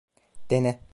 Dene.